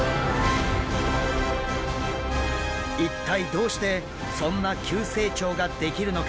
一体どうしてそんな急成長ができるのか？